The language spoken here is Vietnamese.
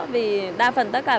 vì đa phần tất cả vé